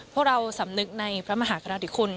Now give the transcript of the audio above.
พวกเราสำนึกในพระมหากราธิคุณ